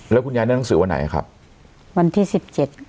แล้วคุณยายได้หนังสือวันไหนครับวันที่สิบเจ็ด